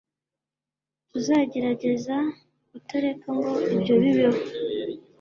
tuzagerageza kutareka ngo ibyo bibeho